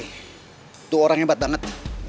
itu orang hebat banget